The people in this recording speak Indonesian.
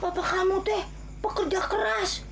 bapak kamu deh pekerja keras